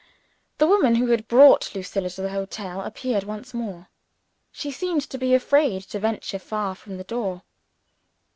The woman who had brought Lucilla to the hotel appeared once more. She seemed to be afraid to venture far from the door.